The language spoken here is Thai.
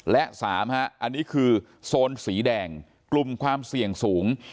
และ๓อันนี้คือโซนสีแดงกลุ่มความเสี่ยงสูง